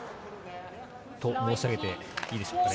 そう申し上げていいでしょうかね。